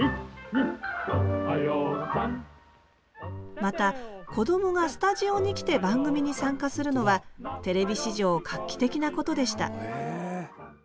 またこどもがスタジオに来て番組に参加するのはテレビ史上画期的なことでしたへえ。